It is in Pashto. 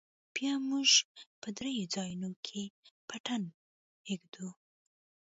بيا موږ په درېو ځايونو کښې پټن ږدو.